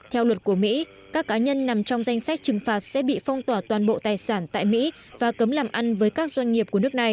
theo luật của mỹ các cá nhân nằm trong danh sách trừng phạt sẽ bị phong tỏa toàn bộ tài sản tại mỹ và cấm làm ăn với các doanh nghiệp của nước này